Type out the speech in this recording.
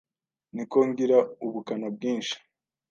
Niko ngira ubukana bwinshi